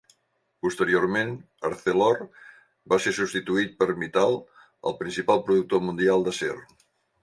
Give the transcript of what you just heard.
Posteriorment, Arcelor va ser substituït per Mittal, el principal productor mundial d'acer.